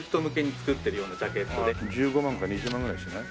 １５万か２０万ぐらいしない？